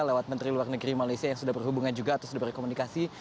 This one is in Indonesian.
lewat menteri luar negeri malaysia yang sudah berhubungan juga atau sudah berkomunikasi